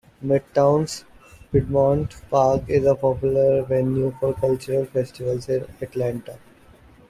Midtown's Piedmont Park is a popular venue for cultural festivals in Atlanta.